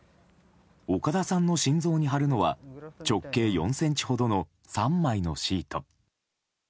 岡田さんの心臓に貼るのは直径４ｃｍほどの３枚のシート。